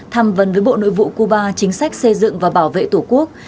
tham vấn với bộ nội vụ cuba chính sách xây dựng và bảo vệ tổ quốc